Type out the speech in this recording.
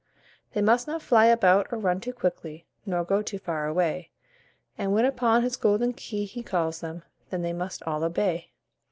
They must not fly about or run too quickly, Nor go too far away, And when upon his golden key he calls them, Then they must all obey.